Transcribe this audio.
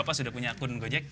apa sudah punya akun gojek